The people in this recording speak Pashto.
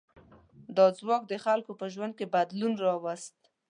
دا ځواک د خلکو په ژوند کې بدلون راوست.